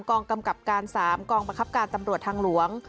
ก้องกำกักการสามก้องประคับกาลตำลวดทางหลวง